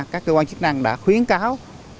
các cơ quan chức năng đã khuyến cáo